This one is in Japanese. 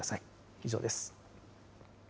以上です。